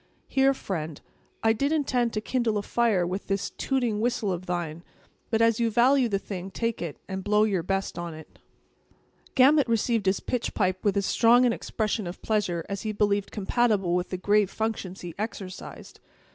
Here, friend; I did intend to kindle a fire with this tooting whistle of thine; but, as you value the thing, take it, and blow your best on it." Gamut received his pitch pipe with as strong an expression of pleasure as he believed compatible with the grave functions he exercised.